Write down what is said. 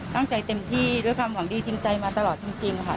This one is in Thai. เต็มที่ด้วยความหวังดีจริงใจมาตลอดจริงค่ะ